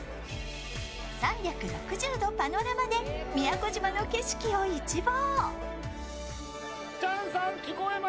３６０度パノラマで宮古島の景色を一望。